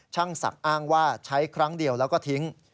ช่างศักดิ์อ้างว่าใช้ครั้งเดียวแล้วก็ทิ้ง